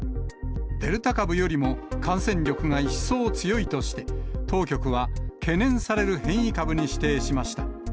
デルタ株よりも感染力が一層強いとして、当局は懸念される変異株に指定しました。